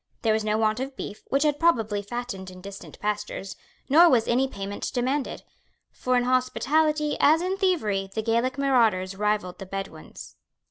There was no want of beef, which had probably fattened in distant pastures; nor was any payment demanded; for in hospitality, as in thievery, the Gaelic marauders rivalled the Bedouins.